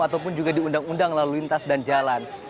ataupun juga di undang undang lalu lintas dan jalan